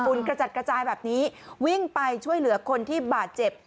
กระจัดกระจายแบบนี้วิ่งไปช่วยเหลือคนที่บาดเจ็บ